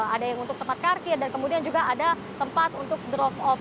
ada yang untuk tempat parkir dan kemudian juga ada tempat untuk drop off